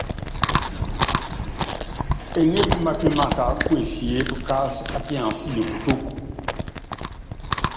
Eŋépí mápímaká kuesiép káásɔ́ á kians ne putúk.